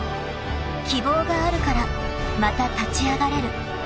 ［希望があるからまた立ち上がれる］